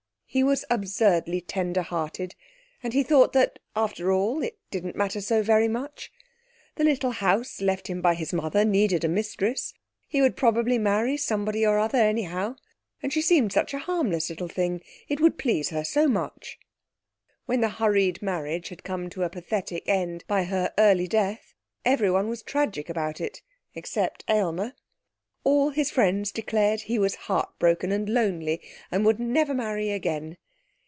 He was absurdly tender hearted, and he thought that, after all, it didn't matter so very much. The little house left him by his mother needed a mistress; he would probably marry somebody or other, anyhow; and she seemed such a harmless little thing. It would please her so much! When the hurried marriage had come to a pathetic end by her early death everyone was tragic about it except Aylmer. All his friends declared he was heart broken and lonely and would never marry again.